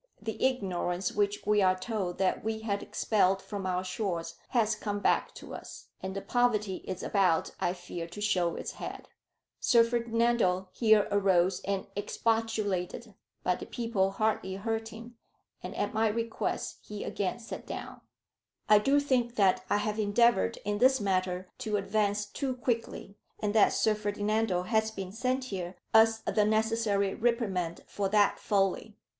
The ignorance which we are told that we had expelled from our shores, has come back to us; and the poverty is about, I fear, to show its head." Sir Ferdinando here arose and expostulated. But the people hardly heard him, and at my request he again sat down. "I do think that I have endeavoured in this matter to advance too quickly, and that Sir Ferdinando has been sent here as the necessary reprimand for that folly.